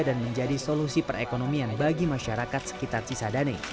dan menjadi solusi perekonomian bagi masyarakat sekitar cisadane